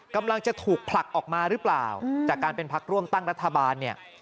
กำลังจะถูกผลักออกมารึปล่าวจากการเป็นภักดิ์ร่วมตั้งรัฐบาล